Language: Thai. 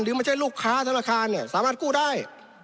หรือไม่ใช่ลูกค้าธนาคารเนี่ยสามารถกู้ได้